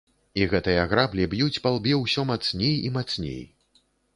І гэтыя граблі б'юць па лбе ўсё мацней і мацней.